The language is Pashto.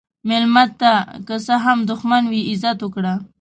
مېلمه ته که څه هم دښمن وي، عزت ورکړه.